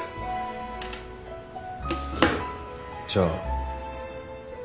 じゃあ。